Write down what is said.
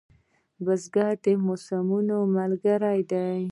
بزګر د موسمونو ملګری دی